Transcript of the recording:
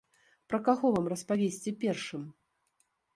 Пра каго вам распавесці першым?